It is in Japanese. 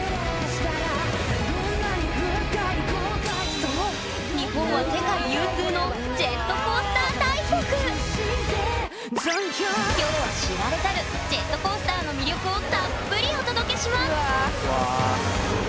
そう日本は世界有数のきょうは知られざるジェットコースターの魅力をたっぷりお届けします！